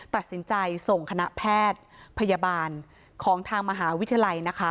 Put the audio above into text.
ตัดสินใจส่งคณะแพทย์พยาบาลของทางมหาวิทยาลัยนะคะ